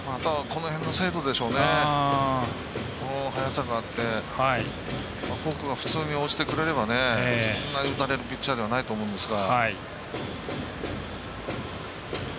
この速さがあってフォークが普通に落ちてくれればそんなに打たれるピッチャーではないと思うんですが。